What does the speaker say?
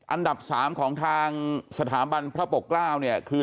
อันดับ๓ของทางสถาบันพระปกเกล้าเนี่ยคือ